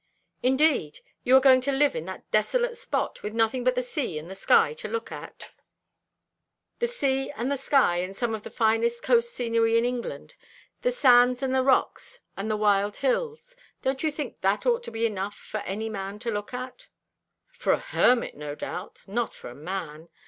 "Indeed! You are going to live in that desolate spot, with nothing but the sea and the sky to look at?" "The sea and the sky, and some of the finest coast scenery in England the sands and the rocks and the wild hills. Don't you think that ought to be enough for any man to look at?" "For a hermit, no doubt, not for a man.